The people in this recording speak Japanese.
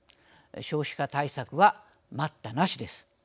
少子化対策は待ったなしです。